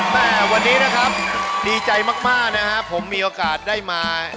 แม่วันนี้นะครับดีใจมากนะครับผมมีโอกาสได้มา